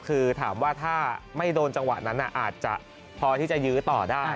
คือถามว่าถ้าไม่โดนจังหวะนั้นอาจจะพอที่จะยื้อต่อได้